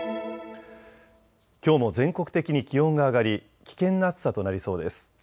きょうも全国的に気温が上がり危険な暑さとなりそうです。